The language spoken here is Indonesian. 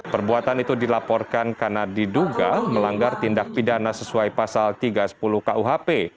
perbuatan itu dilaporkan karena diduga melanggar tindak pidana sesuai pasal tiga ratus sepuluh kuhp